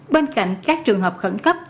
bên cạnh các trường hợp khẩn cấp